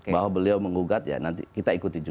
bahwa beliau mengugat ya nanti kita ikutin